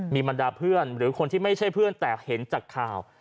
มีบรรดาเพื่อนหรือคนที่ไม่ใช่เพื่อนแต่เห็นจากข่าว